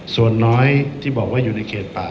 ส่วนน้อยที่บอกว่าอยู่ในเขตป่า